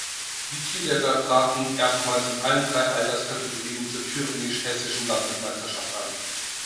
Die Cheerleader treten erstmals in allen drei Alterskategorien zur thüringisch-hessischen Landesmeisterschaft an.